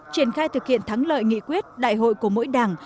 triển khai thực hiện thắng lợi nghị quyết đại hội của mỗi đảng